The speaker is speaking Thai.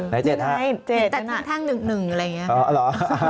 ถ้าตั้ง๑อะไรอย่างนี้เป็นยาวนะ